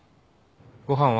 ご飯は？